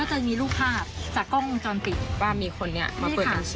จะมีรูปภาพจากกล้องวงจรปิดว่ามีคนนี้มาเปิดบัญชี